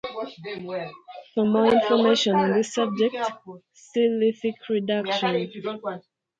For more information on this subject, see lithic reduction.